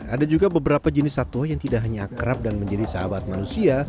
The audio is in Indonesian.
ada juga beberapa jenis satwa yang tidak hanya akrab dan menjadi sahabat manusia